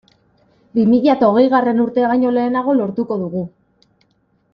Bi mila eta hogeigarren urtea baino lehenago lortuko dugu.